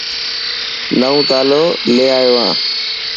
نئو تالو لي آيو هان.